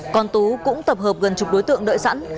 còn tú cũng tập hợp gần chục đối tượng đợi sẵn